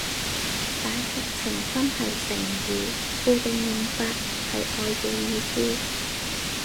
舐犢情深係成語，固定用法，係愛嘅意思